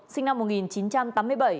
sinh năm một nghìn chín trăm tám mươi bảy